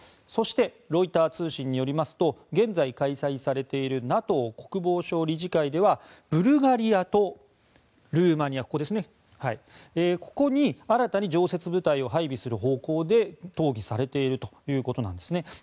そしてロイター通信によりますと現在、開催されているＮＡＴＯ国防相理事会ではブルガリアとルーマニアここに新たに常設部隊を配備する方向で討議されているということなんですね。